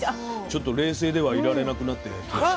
ちょっと「冷静」ではいられなくなってきました。